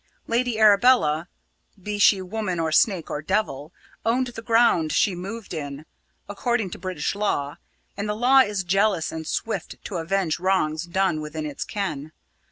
Lady Arabella, be she woman or snake or devil, owned the ground she moved in, according to British law, and the law is jealous and swift to avenge wrongs done within its ken.